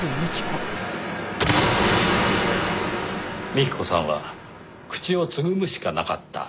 幹子さんは口をつぐむしかなかった。